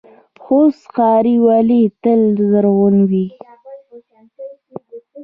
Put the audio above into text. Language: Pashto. خوست ښار ولې تل زرغون وي؟